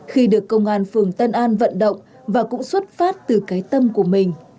khi được công an phường tân an vận động và cũng xuất phát từ cái tâm của mình